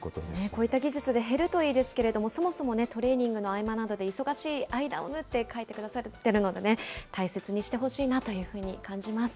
こういった技術で減るといいですけれども、そもそもトレーニングの合間などで忙しい合間を縫って書いてくださっているのでね、大切にしてほしいなというふうに感じます。